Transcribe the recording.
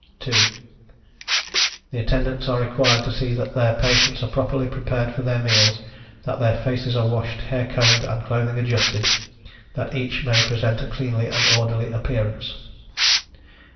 The Attendants are required to see that their patients are properly prepared for their meals; that their faces are washed, hair combed, and clothing adjusted, that each may present a cleanly and orderly appearance.